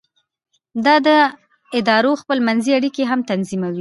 دا د ادارو خپل منځي اړیکې هم تنظیموي.